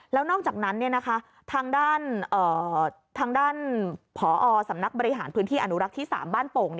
แล้วนอกจากนั้นทางด้านผอสำนักบริหารพื้นที่อนุรักษ์ที่๓บ้านโป่ง